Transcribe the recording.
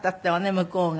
向こうが。